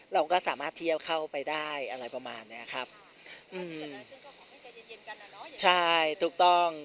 เราก็สามารถเที่ยวเข้าไปได้อะไรประมาณเนี้ยครับใช่ถูกต้อง